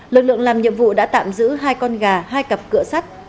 lực lượng làm nhiệm vụ đã tạm giữ hai con gà hai cặp cửa sắt